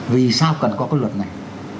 vì sao cần có cái luật này